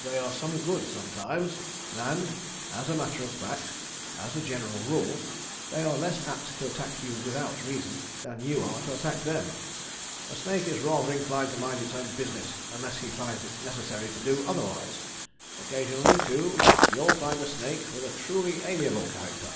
They are some good sometimes, and, as a matter of fact, as a general rule, they are less apt to attack you without reason than you are to attack them. A snake is rather inclined to mind its own business unless he finds it necessary to do otherwise. Occasionally too you'll find a snake with a truly amiable character.